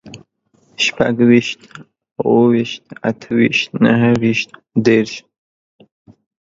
شپږويشت، اووه ويشت، اته ويشت، نهه ويشت، دېرش